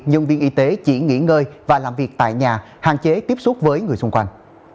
nhân viên y tế chỉ nghỉ ngơi và làm việc tại nhà hạn chế tiếp xúc với người xung quanh